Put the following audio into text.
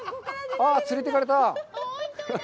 ああ、連れて行かれた。